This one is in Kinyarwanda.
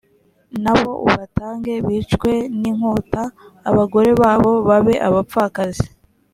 nabo ubatange bicwe n inkota abagore babo babe abapfakazi